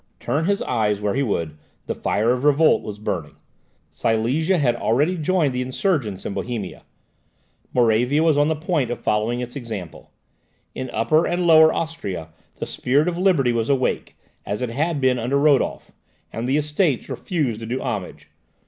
Turn his eyes where he would, the fire of revolt was burning. Silesia had already joined the insurgents in Bohemia; Moravia was on the point of following its example. In Upper and Lower Austria the spirit of liberty was awake, as it had been under Rodolph, and the Estates refused to do homage.